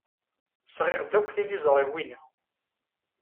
Sɣiɣ-d akk tiliẓriwin-a.